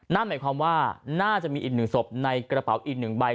นั่นหมายความว่าน่าจะมีอีก๑ศพในกระเป๋าอีก๑ใบ